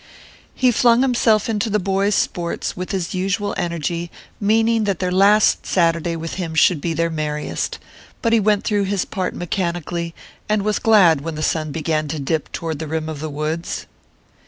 He flung himself into the boys' sports with his usual energy, meaning that their last Saturday with him should be their merriest; but he went through his part mechanically, and was glad when the sun began to dip toward the rim of the woods.